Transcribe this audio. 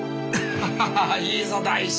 ハハハいいぞ大志！